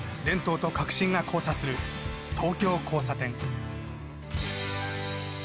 伝統と革新が交差する『東京交差点』。